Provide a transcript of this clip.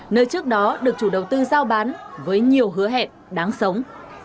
nơi trước đó được chủ đầu tư giao bán với nhiều hứa hẹn đáng sống